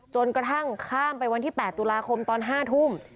จนกระทั่งข้ามไปวันที่๘ตุลาคมตอน๕ทุ่ม